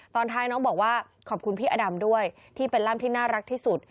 ตอนท้ายน้องบอกว่าขอบคุณพี่อดำด้วยที่เป็นร่ำที่น่ารักที่สุด